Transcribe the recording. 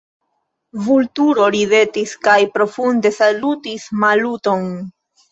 Vulturo ridetis kaj profunde salutis Maluton.